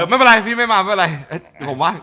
ไม่เป็นไรพี่ไม่มาไม่เป็นไรผมว่า